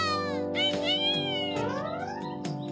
アンアン！